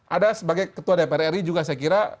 ada sebagai ketua dpr ri juga saya kira